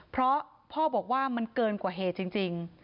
เพราะพ่อบอกว่ามันเกินกว่าเหตุจริง